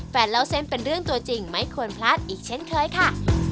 เล่าเส้นเป็นเรื่องตัวจริงไม่ควรพลาดอีกเช่นเคยค่ะ